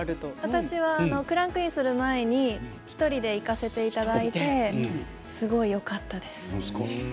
クランクインする前に１人で行かせていただいてすごいよかったです。